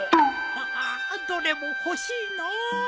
ああどれも欲しいのう。